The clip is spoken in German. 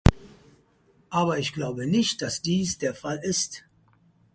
Aber ich glaube nicht, dass dies der Fall ist.